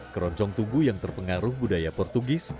keroncong tugu yang terpengaruh budaya portugis